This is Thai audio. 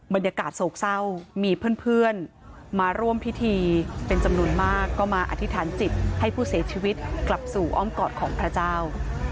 บรรยากาศโศกเศร้ามีเพื่อนมาร่วมพิธีเป็นจำนวนมากก็มาอธิษฐานจิตให้ผู้เสียชีวิตกลับสู่อ้อมกอดของพระเจ้า